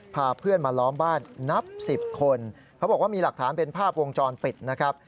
พาเพื่อนมาล้อมบ้านนับสิบคนเขาบอกว่ามีหลักฐานเป็นภาพวงจรปิดนะครับ